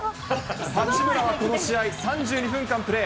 八村はこの試合、３２分間プレー。